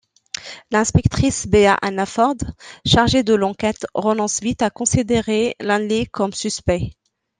L'inspectrice Bea Hannaford, chargée de l'enquête, renonce vite à considérer Lynley comme suspect.